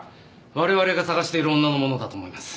我々が捜している女のものだと思います。